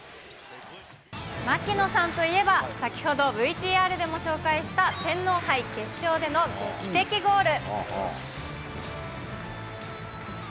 槙野さんといえば、先ほどＶＴＲでも紹介した、天皇杯決勝での劇的ゴール。